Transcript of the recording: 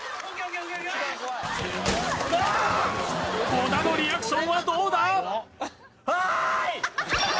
小田のリアクションはどうだ？